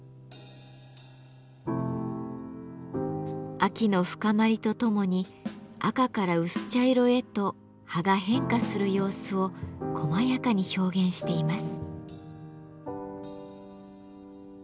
秋の深まりとともに赤から薄茶色へと葉が変化する様子をこまやかに表現しています。